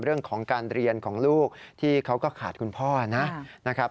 เรื่องของการเรียนของลูกที่เขาก็ขาดคุณพ่อนะครับ